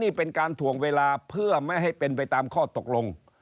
นี่เป็นการถ่วงเวลาเพื่อไม่ให้เป็นไปตามข้อตกลง